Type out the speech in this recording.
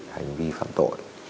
hành vi phạm tội